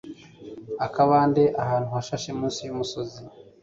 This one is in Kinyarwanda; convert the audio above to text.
akabande ahantu hashashe munsi y'umusozi